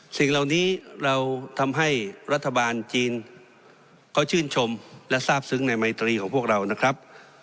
สิ่งเหล่านี้เราทำให้รัฐบาลจีนเขาชื่นชมและทราบซึ้งในไมตรีของพวกเรานะครับ